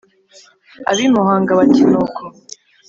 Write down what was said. Ab’I Muhanga bati “ni uko”